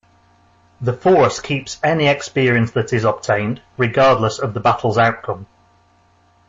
The Force keeps any experience that is obtained, regardless of the battle's outcome.